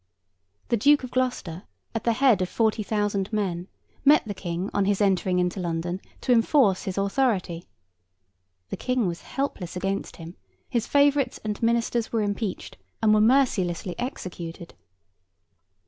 The Duke of Gloucester, at the head of forty thousand men, met the King on his entering into London to enforce his authority; the King was helpless against him; his favourites and ministers were impeached and were mercilessly executed.